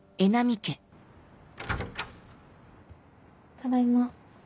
ただいま。